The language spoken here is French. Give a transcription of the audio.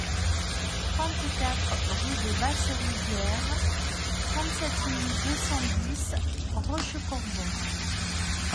trente-quatre rue des Basses Rivières, trente-sept mille deux cent dix Rochecorbon